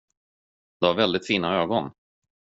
Du har väldigt fina ögon.